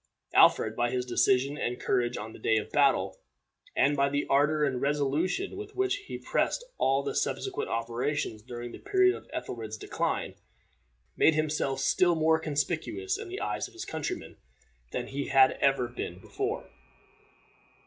Alfred, by his decision and courage on the day of the battle, and by the ardor and resolution with which he pressed all the subsequent operations during the period of Ethelred's decline, made himself still more conspicuous in the eyes of his countrymen than he had ever been before.